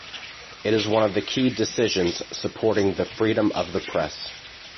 It is one of the key decisions supporting the freedom of the press.